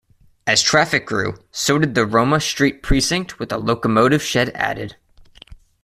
As traffic grew, so did the Roma Street precinct with a locomotive shed added.